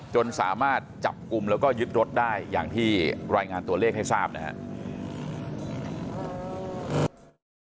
จนสามารถจับกลุ่มแล้วก็ยึดรถได้อย่างที่รายงานตัวเลขให้ทราบนะครับ